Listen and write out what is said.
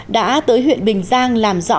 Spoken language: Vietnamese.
đã tới huyện bình giang làm rõ